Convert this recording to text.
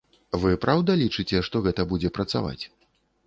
Вы праўда лічыце, што гэта будзе працаваць?